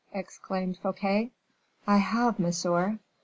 exclaimed Fouquet. "I have, monsieur."